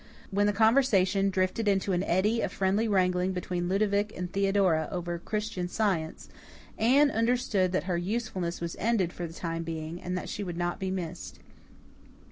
When the conversation drifted into an eddy of friendly wrangling between Ludovic and Theodora over Christian Science, Anne understood that her usefulness was ended for the time being, and that she would not be missed.